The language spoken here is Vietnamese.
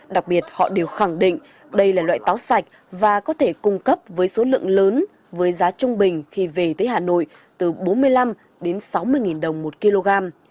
đặc biệt họ đều khẳng định đây là loại táo sạch và có thể cung cấp với số lượng lớn với giá trung bình khi về tới hà nội từ bốn mươi năm đến sáu mươi đồng một kg